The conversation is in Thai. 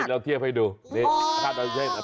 อันนี้จริงเราเทียบให้ดู